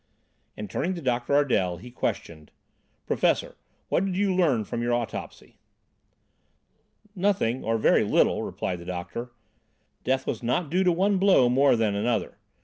And, turning to Dr. Ardel, he questioned: "Professor, what did you learn from your autopsy?" "Nothing, or very little," replied the doctor. "Death was not due to one blow more than another.